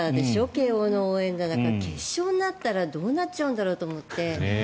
慶応の応援団決勝になったらどうなっちゃうんだろうと思って。